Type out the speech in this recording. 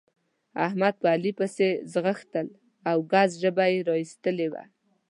احمد په علي پسې ځغستل او ګز ژبه يې را اېستلې وه.